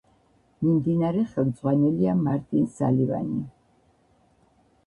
მიმდინარე ხელმძღვანელია მარტინ სალივანი.